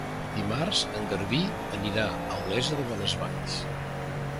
Dimarts en Garbí anirà a Olesa de Bonesvalls.